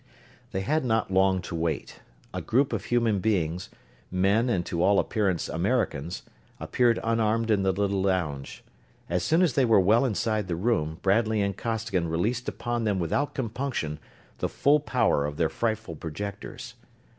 They had not long to wait. A group of human beings men and to all appearance Americans appeared unarmed in the little lounge. As soon as they were well inside the room, Bradley and Costigan released upon them without compunction the full power of their frightful projectors.